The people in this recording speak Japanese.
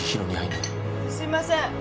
すいません